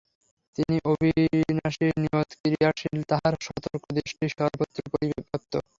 তিনি অবিনাশী, নিয়ত-ক্রিয়াশীল, তাঁহার সতর্কদৃষ্টি সর্বত্র পরিব্যাপ্ত।